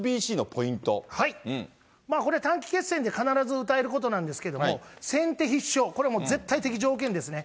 これ、短期決戦で必ずうたえることなんですけど、先手必勝、これもう、絶対的条件ですね。